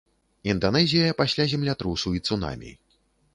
Інданэзія пасля землятрусу і цунамі.